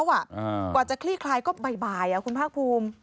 กว่าจะคลี่คลายก็บ่ายคุณภาคภูมิ